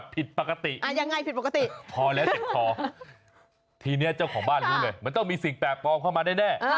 ปะเจอกันประจันทร์หน้ากันในจังหวะนั้นเป็นยังไงเอาไปดูกันครับ